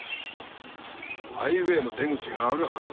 「ハイウエーの出口があるはずだが」